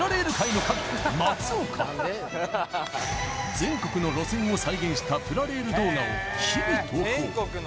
全国の路線を再現したプラレール動画を日々投稿